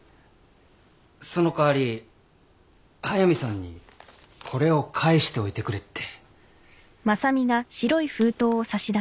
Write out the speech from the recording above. その代わり速見さんにこれを返しておいてくれって。